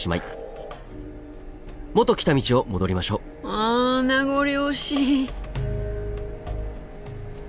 あ名残惜しい。